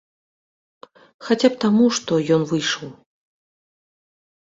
Хаця б таму, што ён выйшаў.